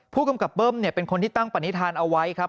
ผู้กำกับเบิ้มเป็นคนที่ตั้งปณิธานเอาไว้ครับ